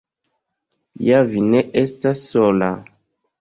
Ja vi ne estas sola.